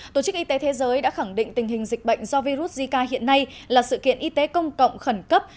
tổ chức y tế thế giới đã khẳng định tình hình dịch bệnh do virus zica hiện nay là sự kiện y tế công cộng khẩn cấp